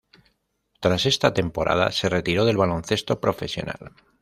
Tras esta temporada se retiró del baloncesto profesional.